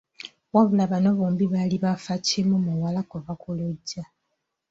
Wabula bano bombi baali bafa kimu muwala kuva ku luggya.